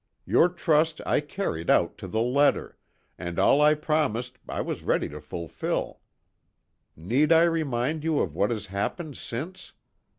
Your trust I carried out to the letter, and all I promised I was ready to fulfil. Need I remind you of what has happened since?